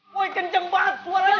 woi kenceng banget suaranya